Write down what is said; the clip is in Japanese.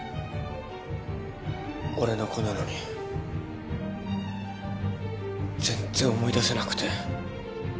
俺の子なのに全然思い出せなくて。